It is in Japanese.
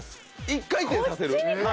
１回転させる？